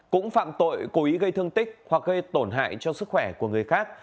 cũng phạm tội cố ý gây thương tích hoặc gây tổn hại cho sức khỏe của người khác